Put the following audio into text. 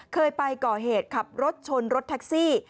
เคยไปก่อเหตุขับรถชนรถแท็กซี่